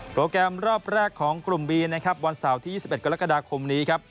โปรแกรมรอบแรกของกลุ่มบีนวันเสาร์ที่๒๑กรกฎาคมนี้